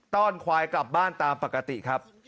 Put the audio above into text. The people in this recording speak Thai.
้อนควายกลับบ้านตามปกติครับ